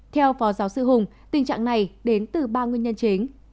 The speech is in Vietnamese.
theo phó giáo sư hùng tình trạng này đến từ ba nguyên nhân chính